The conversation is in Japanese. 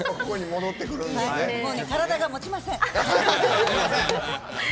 体が、もちません。